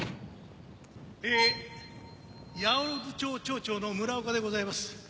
ええ八百万町町長の村岡でございます。